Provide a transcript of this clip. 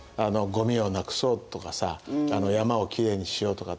ゴミをなくそうとかさ山をきれいにしようとか